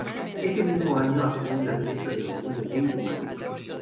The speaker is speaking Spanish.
Ese mismo año actuó en la fiesta del Orgullo Gay de Madrid.